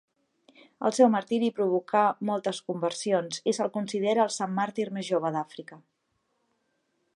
El seu martiri provocà moltes conversions, i se'l considera el sant màrtir més jove d'Àfrica.